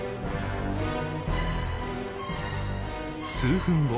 数分後。